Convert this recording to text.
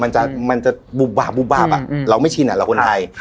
ใช่มันจะบุบบาบอะเราไม่ชินอ่ะเราคนไทย